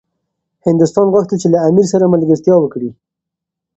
هندوستان غوښتل چي له امیر سره ملګرتیا وکړي.